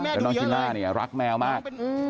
แล้วน้องจีน่าเนี่ยรักแมวมาก